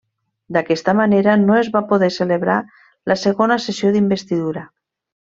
D'aquesta manera no es va poder celebrar la segona sessió d'investidura.